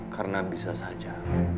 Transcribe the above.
karena bisa saja